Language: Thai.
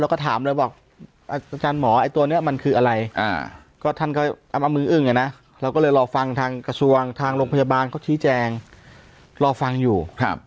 แล้วก็ถามเลยบอกอาจารย์หมอไอ้ตัวนี้มันคืออะไรก็ท่านก็เอามืออึ้งอ่ะนะเราก็เลยรอฟังทางกระทรวงทางโรงพยาบาลเขาชี้แจงรอฟังอยู่